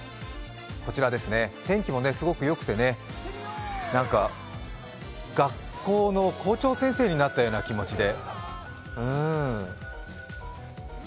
こちらです、天気もすごくよくてなんか学校の校長先生になったような気持ちで。